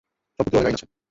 সম্পত্তির অনেক আইন আছে।